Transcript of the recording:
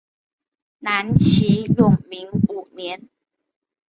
南齐永明五年。